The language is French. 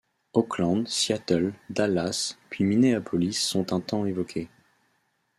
Oakland, Seattle, Dallas puis Minneapolis sont un temps évoquées.